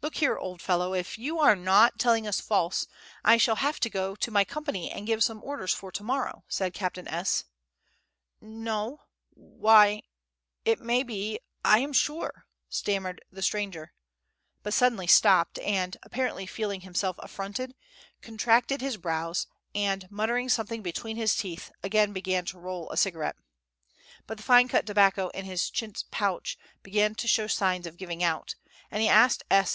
"Look here, old fellow, if you are not telling us false, I shall have to go to my company and give some orders for to morrow," said Captain S. "No ... why ... it may be, I am sure," ... stammered the stranger, but suddenly stopped, and, apparently feeling himself affronted, contracted his brows, and, muttering something between his teeth, again began to roll a cigarette. But the fine cut tobacco in his chintz pouch began to show signs of giving out, and he asked S.